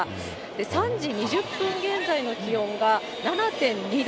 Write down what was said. ３時２０分現在の気温が７．２度。